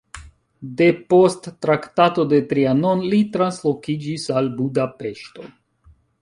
Depost Traktato de Trianon li translokiĝis al Budapeŝto.